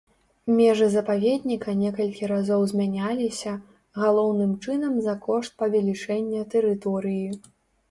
Межы запаведніка некалькі разоў змяняліся, галоўным чынам за кошт павелічэння тэрыторыі.